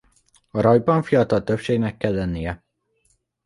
A rajban fiatal többségnek kell lennie.